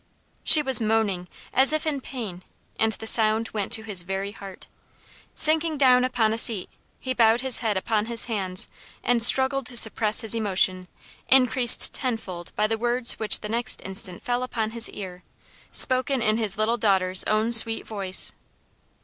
She was moaning, as if in pain, and the sound went to his very heart. Sinking down upon a seat, he bowed his head upon his hands, and struggled to suppress his emotion, increased tenfold by the words which the next instant fell upon his ear, spoken in his little daughter's own sweet voice.